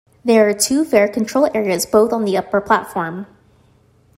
There are two fare control areas, both on the upper platform.